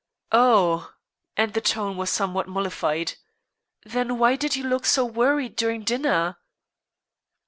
"Oh!" And the tone was somewhat mollified. "Then why did you look so worried during dinner?"